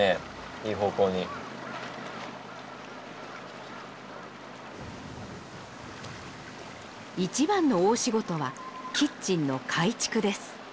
いい方向に一番の大仕事はキッチンの改築です